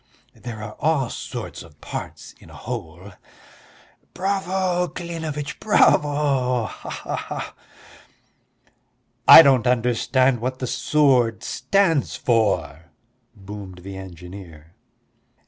"There are all sorts of parts in a whole." "Bravo, Klinevitch, bravo! Ha ha ha!" "I don't understand what the sword stands for," boomed the engineer.